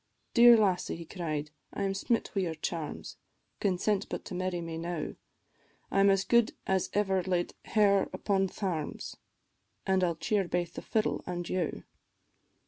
"Dear lassie," he cried, "I am smit wi' your charms, Consent but to marry me now, I 'm as good as ever laid hair upon thairms, An' I 'll cheer baith the fiddle an' you."